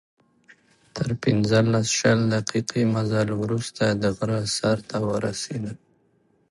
تر پنځلس، شل دقیقې مزل وروسته د غره سر ته ورسېدم.